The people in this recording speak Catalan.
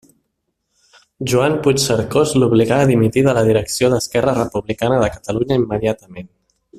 Joan Puigcercós l'obligà a dimitir de la Direcció d'Esquerra Republicana de Catalunya immediatament.